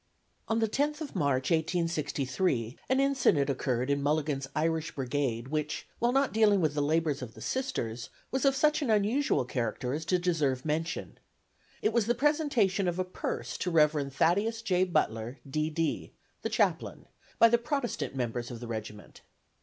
On the 10th of March, 1863, an incident occurred in Mulligan's Irish Brigade which, while not dealing with the labors of the Sisters, was of such an unusual character as to deserve mention. It was the presentation of a purse to Rev. Thaddeus J. Butler, D. D., the chaplain, by the Protestant members of the regiment.